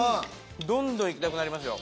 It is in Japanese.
どんどん行きたくなりますよ。